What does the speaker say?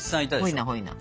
ほいなほいな。